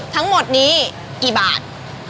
ทั้งหมดนี้กี่บาท